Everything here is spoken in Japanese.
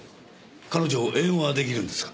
彼女英語が出来るんですか？